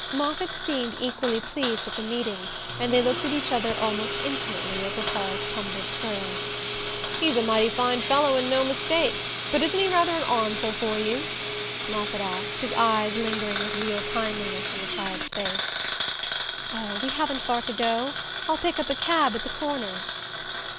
Moffatt seemed equally pleased at the meeting, and they looked at each other almost intimately over Paul's tumbled curls. "He's a mighty fine fellow and no mistake but isn't he rather an armful for you?" Moffatt asked, his eyes lingering with real kindliness on the child's face. "Oh, we haven't far to go. I'll pick up a cab at the corner."